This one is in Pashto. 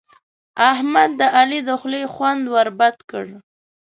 احمد د علي د خولې خوند ور بد کړ.